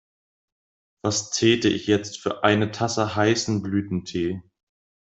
Was täte ich jetzt für eine Tasse heißen Blütentee!